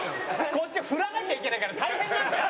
こっちは振らなきゃいけないから大変なんだよ！